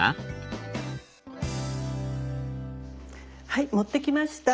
はい持ってきました！